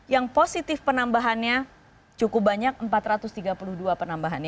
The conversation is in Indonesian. yang positif penambahannya cukup banyak empat ratus tiga puluh dua penambahannya